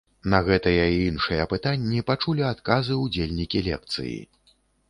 На гэтыя і іншыя пытанні пачулі адказы удзельнікі лекцыі.